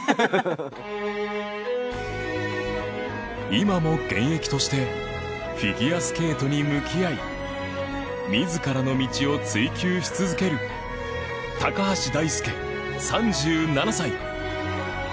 今も現役としてフィギュアスケートに向き合い自らの道を追求し続ける高橋大輔３７歳